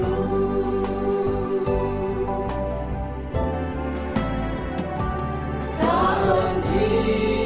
oleh aku aku tidak berpikir